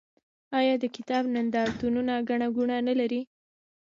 آیا د کتاب نندارتونونه ګڼه ګوڼه نلري؟